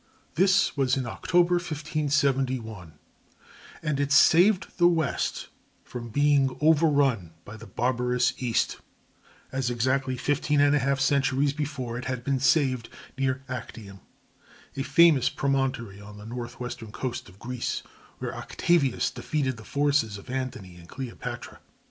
This was in October, 1571, and it saved the West from being overrun by the barbarous East, as exactly fifteen and a half centuries before it had been saved near Actium, a famous promontory on the northwestern coast of Greece, where Octavius defeated the forces of Antony and Cleopatra.